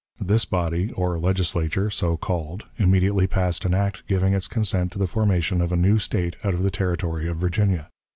This body, or Legislature, so called, immediately passed an act giving its consent to the formation of a new State out of the territory of Virginia.